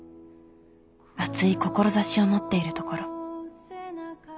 熱い志を持っているところ。